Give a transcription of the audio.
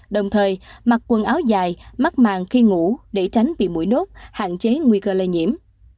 đồng thời mặc quần áo dài mắt màng khi ngủ để tránh bị mũi nốt hạn chế nguy cơ lây nhiễm